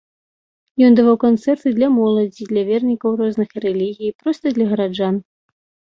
Ён даваў канцэрты для моладзі, для вернікаў розных рэлігій і проста для гараджан.